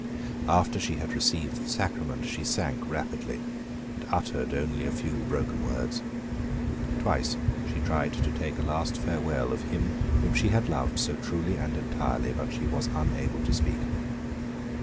After she had received the sacrament she sank rapidly, and uttered only a few broken words. Twice she tried to take a last farewell of him whom she had loved so truly and entirely; but she was unable to speak.